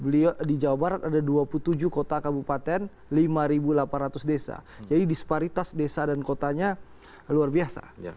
beliau di jawa barat ada dua puluh tujuh kota kabupaten lima delapan ratus desa jadi disparitas desa dan kotanya luar biasa